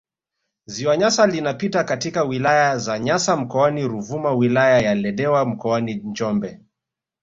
Ziwa Nyasa linapita katika wilaya za Nyasa mkoani Ruvuma wilaya ya Ludewa mkoani Njombe